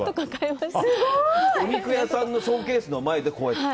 お肉屋さんのショーケースの前でそうやって？